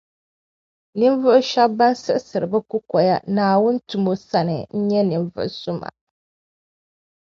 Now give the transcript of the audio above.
Ninvuɣu shεba ban siɣisiri bɛ kukoya Naawuni tumo sani n nyɛ ninvuɣu suma.